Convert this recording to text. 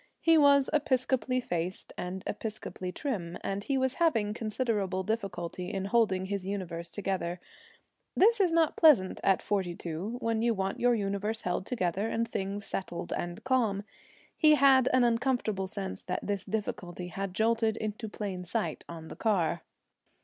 He was Episcopally faced and Episcopally trim, and he was having considerable difficulty in holding his universe together. This is not pleasant at forty two, when you want your universe held together and things settled and calm. He had an uncomfortable sense that this difficulty had jolted into plain sight on the car.